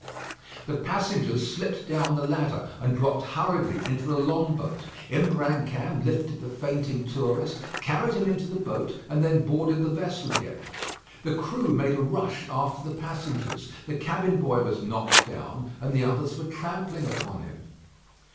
The passengers slipped down the ladder, and dropped hurriedly into the long boat. Imbrancam lifted the fainting tourist, carried him into the boat, and then boarded the vessel again. The crew made a rush after the passengers the cabin boy was knocked down, and the others were trampling upon him.